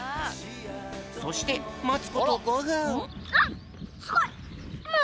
そしてまつこと５ふん。